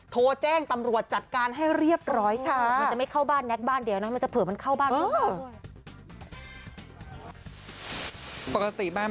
โทรแจ้งตำรวจจัดการให้เรียบร้อยค่ะ